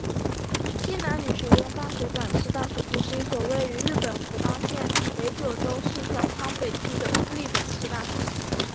西南女学院大学短期大学部是一所位于日本福冈县北九州市小仓北区的私立短期大学。